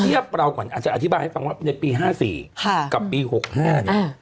เราก่อนอาจจะอธิบายให้ฟังว่าในปี๕๔กับปี๖๕เนี่ย